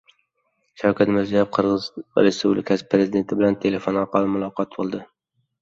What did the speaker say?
Shavkat Mirziyoyev Qirg‘iz Respublikasi prezidenti bilan telefon orqali muloqot qildi